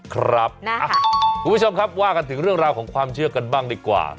คุณผู้ชมครับว่ากันถึงเรื่องราวของความเชื่อกันบ้างดีกว่า